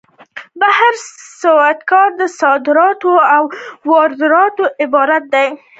بهرنۍ سوداګري له صادراتو او وارداتو عبارت ده